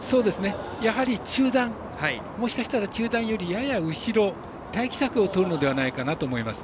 やはり中団よりやや後ろ、待機策をとるのではないかと思います。